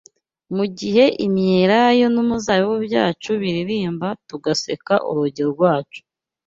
Mugihe imyelayo n'umuzabibu byacu biririmba tugaseka urugi rwacu